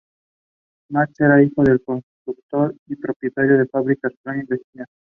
Max era hijo del constructor y propietario de fábricas Franz Bastian.